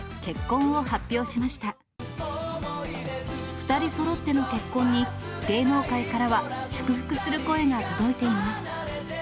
２人そろっての結婚に、芸能界からは祝福する声が届いています。